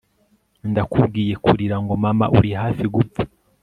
ndakubwiye kurira ngo mama uri hafi gupfa